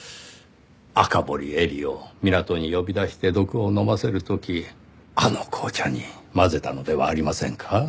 赤堀絵里を港に呼び出して毒を飲ませる時あの紅茶に混ぜたのではありませんか？